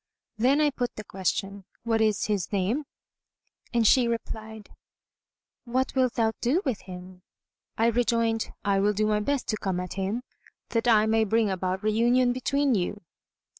Then I put the question, "What is his name?" and she replied, "What wilt thou do with him?" I rejoined, "I will do my best to come at him, that I may bring about reunion between you."